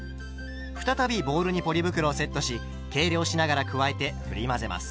再びボウルにポリ袋をセットし計量しながら加えてふり混ぜます。